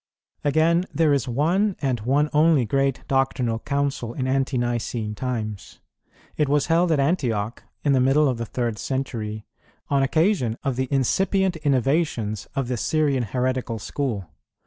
Again, there is one and one only great doctrinal Council in Ante nicene times. It was held at Antioch, in the middle of the third century, on occasion of the incipient innovations of the Syrian heretical school.